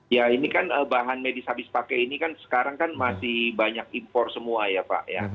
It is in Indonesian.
ya ini kan bahan medis habis pakai ini kan sekarang kan masih banyak impor semua ya pak ya